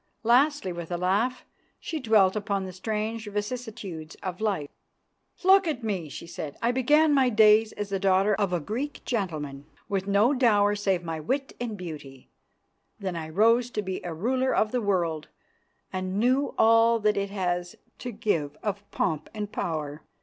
Lastly, with a laugh, she dwelt upon the strange vicissitudes of life. "Look at me," she said. "I began my days as the daughter of a Greek gentleman, with no dower save my wit and beauty. Then I rose to be a ruler of the world, and knew all that it has to give of pomp and power.